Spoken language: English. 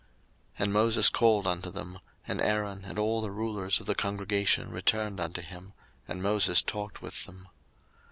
02:034:031 And Moses called unto them; and Aaron and all the rulers of the congregation returned unto him: and Moses talked with them.